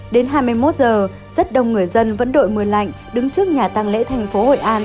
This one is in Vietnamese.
đến hai mươi một giờ rất đông người dân vẫn đội mưa lạnh đứng trước nhà tăng lễ thành phố hội an